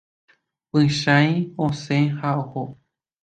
Pychãi osẽ ha oho.